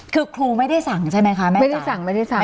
คือครูไม่ได้สั่งใช่ไหมคะแม่ไม่ได้สั่งไม่ได้สั่ง